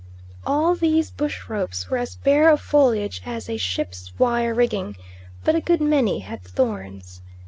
All these bush ropes were as bare of foliage as a ship's wire rigging, but a good many had thorns.